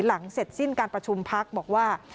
หลังเสร็จสิ้นการประชุมพักบอกว่า